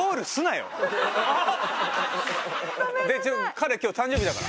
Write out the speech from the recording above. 彼今日誕生日だから。